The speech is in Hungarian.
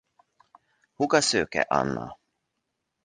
Húga Szőke Anna.